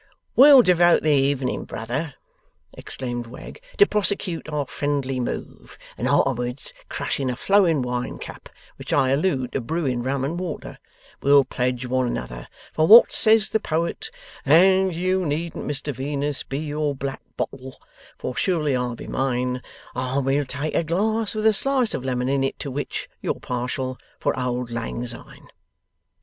'We'll devote the evening, brother,' exclaimed Wegg, 'to prosecute our friendly move. And arterwards, crushing a flowing wine cup which I allude to brewing rum and water we'll pledge one another. For what says the Poet? "And you needn't Mr Venus be your black bottle, For surely I'll be mine, And we'll take a glass with a slice of lemon in it to which you're partial, For auld lang syne."